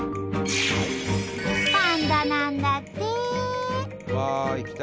パンダなんだって！